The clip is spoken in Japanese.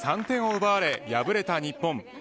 ３点を奪われ、敗れた日本。